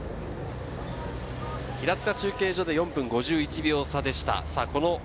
平塚中継所で４分５１秒差でした。